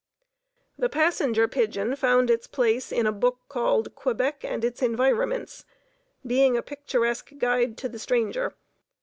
The Passenger Pigeon found a place in a book called "Quebec and Its Environments; Being a Picturesque Guide to the Stranger."